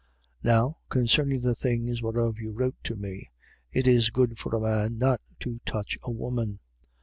7:1. Now concerning the things whereof you wrote to me: It is good for a man not to touch a woman.